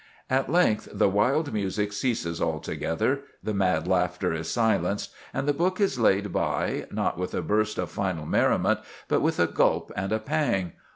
At length, the wild music ceases altogether; the mad laughter is silenced; and the book is laid by, not with a burst of final merriment, but with a gulp and a pang.